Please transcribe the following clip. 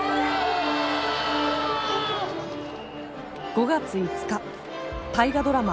５月５日大河ドラマ